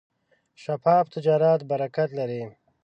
شفاف تجارت برکت لري.